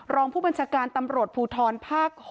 รองผู้บัญชาการตำรวจภูทรภาค๖